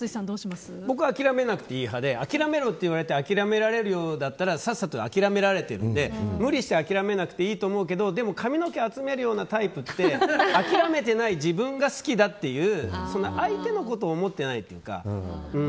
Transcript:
僕は諦めなくていい派で諦めろって言われて諦められるようだったらさっさと諦められてるので無理して諦めなくていいですけどでも、髪の毛を集めるようなタイプって諦めてない自分が好きだっていう相手のことを思ってないというか。